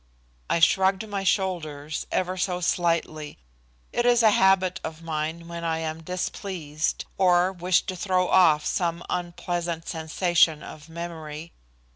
I shrugged my shoulders, ever so slightly. It is a habit of mine when I am displeased, or wish to throw off some unpleasant sensation of memory.